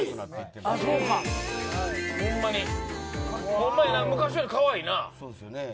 ほんまやな昔からかわいいな。